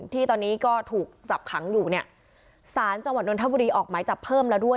ที่ตอนนี้ก็ถูกจับขังอยู่เนี่ยสารจังหวัดนทบุรีออกหมายจับเพิ่มแล้วด้วย